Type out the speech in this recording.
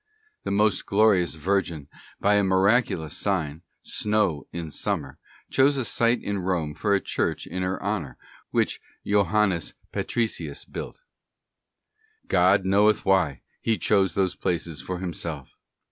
' The most glorious Virgin by a miraculous sign—snow in summer—chose a site Bo in Rome for a Church in her honour, which Joannes Patricius built.{¢ God knoweth why He chose these places for Himself.